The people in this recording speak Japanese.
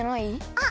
あっ！